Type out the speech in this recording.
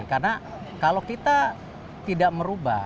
karena kalau kita tidak merubah